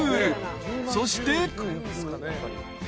［そして］